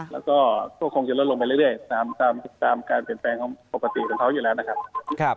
แล้วก็ก็คงจะลดลงไปเรื่อยตามการเปลี่ยนแปลงของปกติของเขาอยู่แล้วนะครับ